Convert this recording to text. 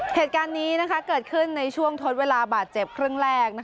เหตุการณ์นี้เกิดขึ้นในช่วงทดเวลาบาดเจ็บครึ่งแรก